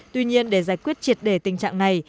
tuy nhiên để giải quyết triệt đề tình trạng này